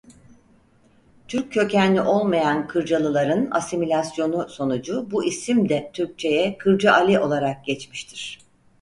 Türk kökenli olmayan Kırcalılar'ın asimilasyonu sonucu bu isim de Türkçeye Kırcaali olarak geçmiştir.